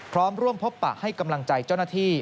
พร้อมร่วมพบปะให้กำลังใจเจ้าหน้าที่